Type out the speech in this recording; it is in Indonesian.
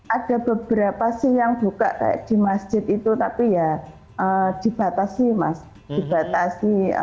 ada beberapa sih yang buka kayak di masjid itu tapi ya dibatasi mas dibatasi